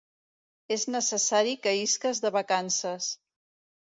És necessari que isques de vacances.